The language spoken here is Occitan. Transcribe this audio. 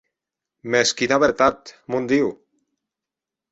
Mès quina vertat, mon Diu!